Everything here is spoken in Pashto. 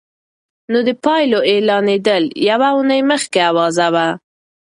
نو د پايلو اعلانېدل يوه اونۍ مخکې اوازه وه.